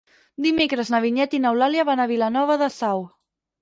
Dimecres na Vinyet i n'Eulàlia van a Vilanova de Sau.